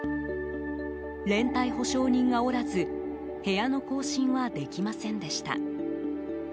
連帯保証人がおらず部屋の更新はできませんでした。